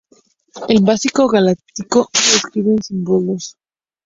El básico galáctico se escribe en símbolos.